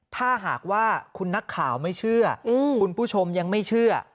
ถ้าหากว่าคุณนักข่าวไม่เชื่อคุณผู้ชมยังไม่เชื่อ